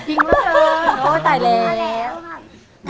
ของคุณยายถ้วน